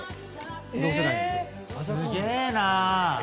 すげえな。